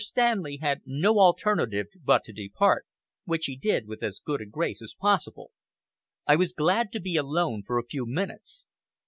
Stanley had no alternative but to depart, which he did with as good a grace as possible. I was glad to be alone for a few minutes.